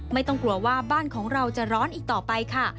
ไม่ต้องกลัวว่าบ้านของเราจะร้อนอีกต่อไปค่ะ